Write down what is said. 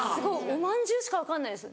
おまんじゅうしか分かんないです